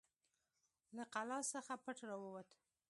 له قلا څخه پټ راووت.